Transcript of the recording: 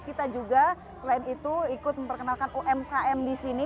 kita juga selain itu ikut memperkenalkan umkm di sini